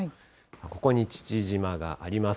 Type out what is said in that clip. ここに父島があります。